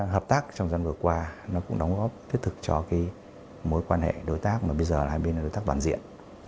hợp tác trong dần vừa qua nó cũng đóng góp thiết thực cho cái mối quan hệ đối tác mà bây giờ hai bên là đối tác đoàn diện